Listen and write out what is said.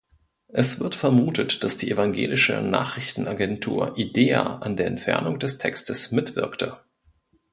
Es wird vermutet, dass die Evangelische Nachrichtenagentur Idea an der Entfernung des Textes mitwirkte.